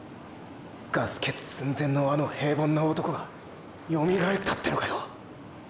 ガス欠寸前のあの平凡な男がよみがえったってのかよ